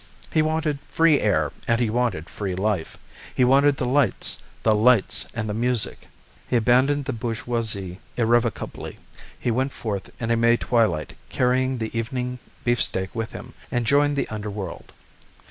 He wanted free air and he wanted free life; he wanted the lights, the lights, and the music. He abandoned the bourgeoisie irrevocably. He went forth in a May twilight, carrying the evening beefsteak with him, and joined the underworld.